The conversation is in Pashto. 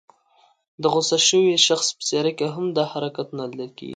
د غوسه شوي شخص په څېره کې هم دا حرکتونه لیدل کېږي.